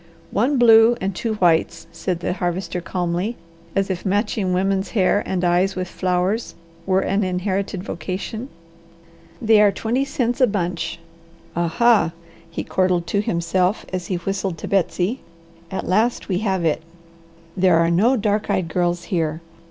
"One blue and two whites," said the Harvester calmly, as if matching women's hair and eyes with flowers were an inherited vocation. "They are twenty cents a bunch." "Aha!" he chortled to himself as he whistled to Betsy. "At last we have it. There are no dark eyed girls here.